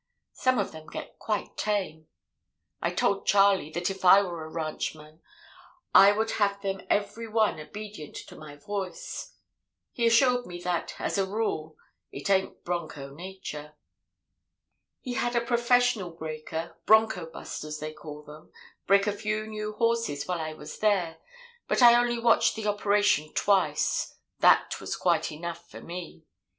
Some of them get quite tame. I told Charley that if I were a ranchman I would have them every one obedient to my voice. He assured me that as a rule it ain't bronco nature. "He had a professional breaker 'bronco busters,' they call them break a few new horses while I was there, but I only watched the operation twice; that was quite enough for me.